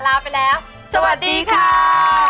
ลาไปแล้วสวัสดีค่ะ